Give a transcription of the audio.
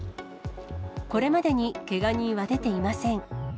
これまでにけが人は出ていません。